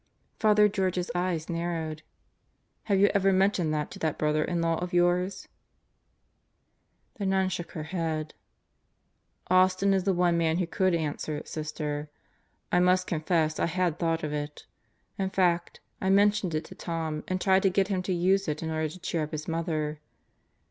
Father George's eyes narrowed. "Have you ever mentioned that to that brother in law of yours?" The nun shook her head. "Austin is the one man who could answer, Sister. I must confess I had thought of it. In fact, I mentioned it to Tom and tried to get him to use it in order to cheer up his mother.